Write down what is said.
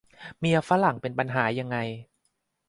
เมียฝรั่งเป็นปัญหายังไง